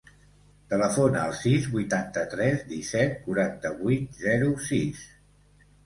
Telefona al sis, vuitanta-tres, disset, quaranta-vuit, zero, sis.